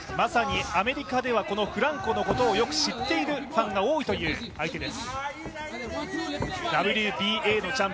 まさにアメリカではフランコのことをよく知っているファンが多いという相手です。